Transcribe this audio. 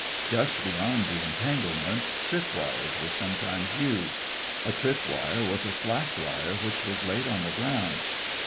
Just beyond the entanglements trip wires were sometimes used. A trip wire was a slack wire which was laid on the ground.